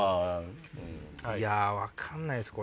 いや分かんないです